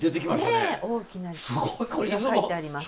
ねえ大きな字が書いてあります。